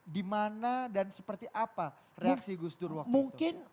dimana dan seperti apa reaksi gus dur waktu itu